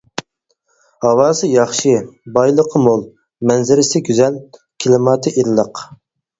ھاۋاسى ياخشى، بايلىقى مول، مەنزىرىسى گۈزەل، كىلىماتى ئىللىق.